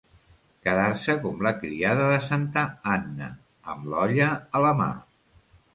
Quedar-se com la criada de santa Anna, amb l'olla a la mà.